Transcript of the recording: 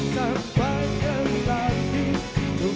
lampunya pun indah